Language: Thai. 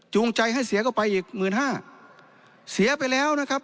ใจให้เสียเข้าไปอีกหมื่นห้าเสียไปแล้วนะครับ